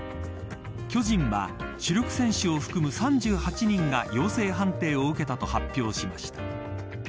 巨人は主力選手を含む３８人が陽性判定を受けたと発表しました。